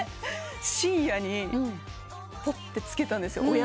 深夜にぽっとつけたんですよ。